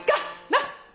なっ！